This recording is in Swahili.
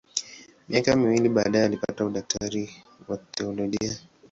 Miaka miwili baadaye alipata udaktari wa teolojia.